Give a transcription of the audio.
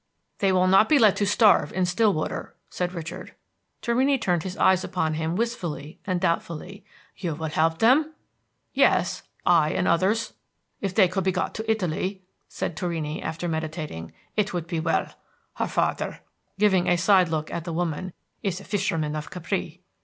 "They will not be let starve in Stillwater," said Richard. Torrini turned his eyes upon him wistfully and doubtfully. "You will help them?" "Yes, I and others." "If they could be got to Italy," said Torrini, after meditating, "it would be well. Her farther," giving a side look at the woman, "is a fisherman of Capri."